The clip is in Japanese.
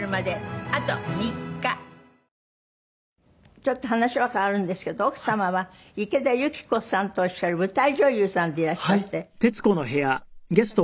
ちょっと話は変わるんですけど奥様は池田有希子さんとおっしゃる舞台女優さんでいらっしゃって。